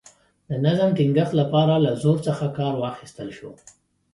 د نظم ټینګښت لپاره له زور څخه کار واخیستل شو.